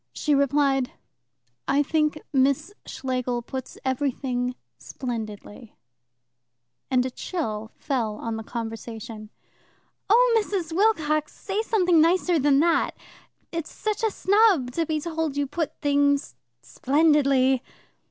She replied: "I think Miss Schlegel puts everything splendidly"; and a chill fell on the conversation. "Oh, Mrs. Wilcox, say something nicer than that. It's such a snub to be told you put things splendidly.